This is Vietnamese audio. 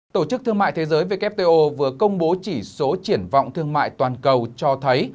tổ chức thương mại thế giới wto vừa công bố chỉ số triển vọng thương mại toàn cầu cho thấy